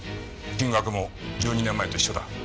金額も１２年前と一緒だ。